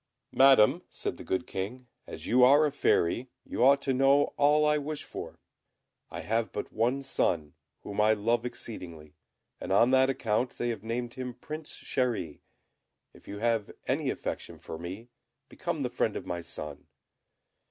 "Madam," said the good King, "as you are a Fairy, you ought to know all I wish for. I have but one son, whom I love exceedingly, and on that account they have named him Prince Chéri; if you have any affection for me, become the friend of my son."